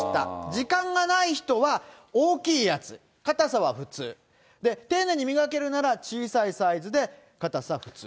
時間がない人は、大きいやつ、硬さは普通、丁寧に磨けるなら小さいサイズで硬さ普通。